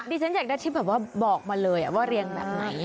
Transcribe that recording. ฉันอยากได้ที่แบบว่าบอกมาเลยว่าเรียงแบบไหน